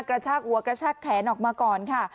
กระชากหัวกระชากแขนออกมาก่อนค่ะ